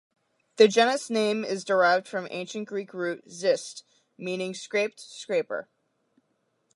The genus name is derived from the Ancient Greek root "xyst", meaning "scraped, scraper".